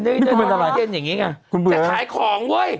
นี่คุณเป็นอะไรคุณเบื่อเย็นอย่างนี้ไงจะขายของเว้ย